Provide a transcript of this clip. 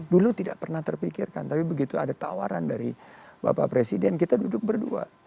dulu tidak pernah terpikirkan tapi begitu ada tawaran dari bapak presiden kita duduk berdua